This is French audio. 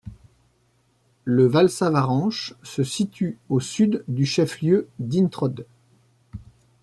Le Valsavarenche se situe au sud du chef-lieu d'Introd.